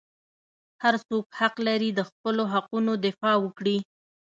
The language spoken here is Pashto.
هر څوک حق لري د خپلو حقوقو دفاع وکړي.